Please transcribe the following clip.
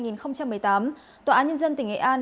xin chào các bạn